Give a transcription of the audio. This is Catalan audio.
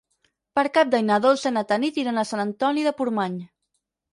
Per Cap d'Any na Dolça i na Tanit iran a Sant Antoni de Portmany.